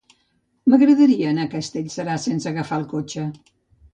M'agradaria anar a Castellserà sense agafar el cotxe.